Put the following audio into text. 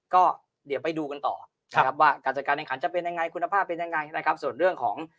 ก็เดี๋ยวไปดูกันต่อนะครับว่าการจัดการแข่งขันจะเป็นยังไงคุณภาพเป็นยังไงนะครับส่วนเรื่องของ